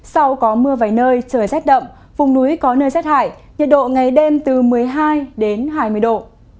sau có mưa vài nơi trời rét đậm vùng núi có nơi rét hại nhiệt độ ngày đêm từ một mươi hai hai mươi độ